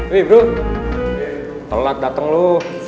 wih bro telat dateng lu